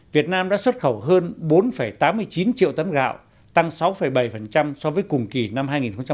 việt nam đã xuất khẩu hơn bốn tám mươi chín triệu tấn gạo tăng sáu bảy so với cùng kỳ năm hai nghìn một mươi tám